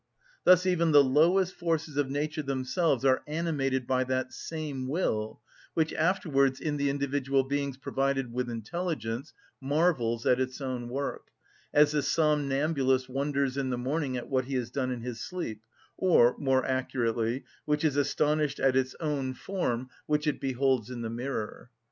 Thus even the lowest forces of nature themselves are animated by that same will, which afterwards, in the individual beings provided with intelligence, marvels at its own work, as the somnambulist wonders in the morning at what he has done in his sleep; or, more accurately, which is astonished at its own form which it beholds in the mirror.